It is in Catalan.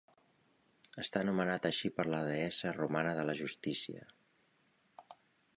Està nomenat així per la deessa romana de la justícia.